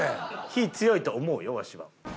火強いと思うよわしは。